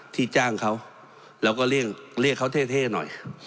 ที่จ้างเขาแล้วก็เรียกเรียกเขาเท่เท่หน่อย